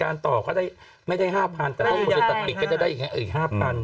รับชดเชิญก่อนหน้านั้น